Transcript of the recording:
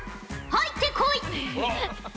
入ってこい！